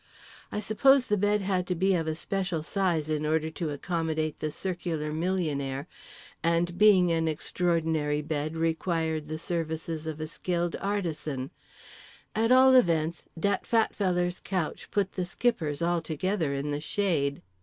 I suppose the bed had to be of a special size in order to accommodate the circular millionaire and being an extraordinary bed required the services of a skilled artisan—at all events, "dat fat feller's" couch put the Skipper's altogether in the shade.